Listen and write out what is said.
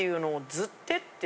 「ずって」って。